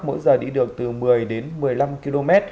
mỗi giờ đi được từ một mươi đến một mươi năm km